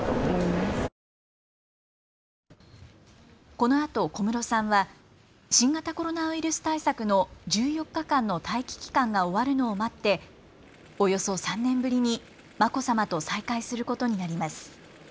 このあと小室さんは新型コロナウイルス対策の１４日間の待機期間が終わるのを待っておよそ３年ぶりに眞子さまと再会することになります。